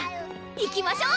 行きましょう！